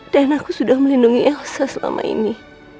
dan aku sudah melindungi elsa selama ini